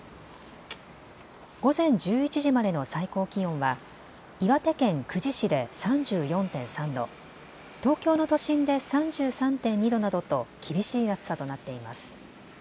午前１１時までの最高気温は岩手県久慈市で３４．３度、東京の都心で３３．２度などと厳しい暑さとなっています。